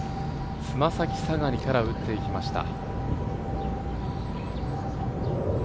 つま先下がりから打っていきました。